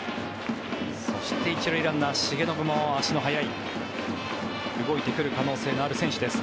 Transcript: そして、１塁ランナー、重信も足の速い動いてくる可能性のある選手です。